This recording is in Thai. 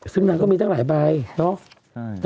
ซึ่งนางก็มีตั้งหลายใบเนาะ